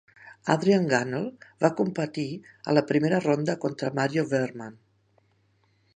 Adrian Gunnell va competir a la primera ronda contra Mario Wehrmann.